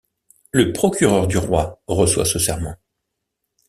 Le procureur du roi reçoit ce serment.